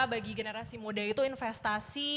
bagi generasi muda itu investasi